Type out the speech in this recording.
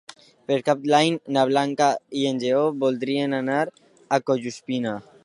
Per Cap d'Any na Blanca i en Lleó voldrien anar a Collsuspina.